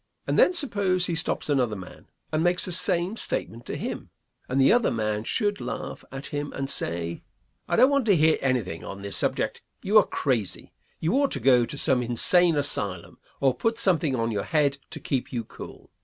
And then suppose he stops another man, and makes the same statement to him, and the other man should laugh at him and say, "I don't want to hear anything on this subject; you are crazy; you ought to go to some insane asylum, or put something on your head to keep you cool."